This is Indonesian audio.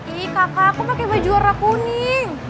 ih kakak aku pakai baju warna kuning